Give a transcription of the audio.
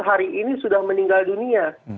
hari ini sudah meninggal dunia